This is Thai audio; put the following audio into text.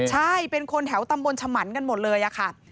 ใช่เป็นคนแถวตำบลฉมันกันหมดเลยอะค่ะ